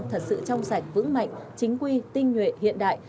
thật sự trong sạch vững mạnh chính quy tinh nhuệ hiện đại